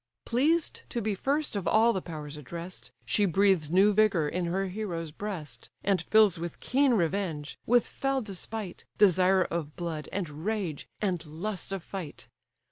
Pleased to be first of all the powers address'd, She breathes new vigour in her hero's breast, And fills with keen revenge, with fell despite, Desire of blood, and rage, and lust of fight.